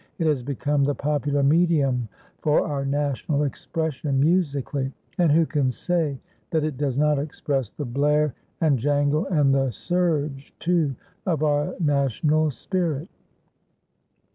It has become the popular medium for our national expression musically. And who can say that it does not express the blare and jangle and the surge, too, of our national spirit?